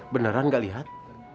beneran gak lihat